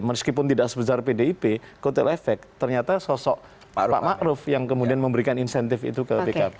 meskipun tidak sebesar pdip kotel efek ternyata sosok pak ⁇ maruf ⁇ yang kemudian memberikan insentif itu ke pkb